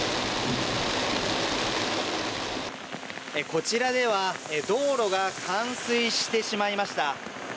こちらでは道路が冠水してしまいました。